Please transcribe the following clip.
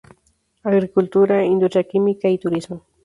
Agricultura, industria química y turismo.